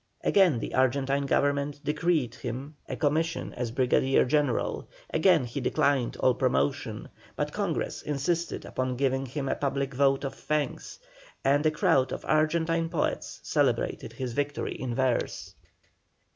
Again the Argentine Government decreed him a commission as Brigadier General; again he declined all promotion, but Congress insisted upon giving him a public vote of thanks, and a crowd of Argentine poets celebrated his victory in verse.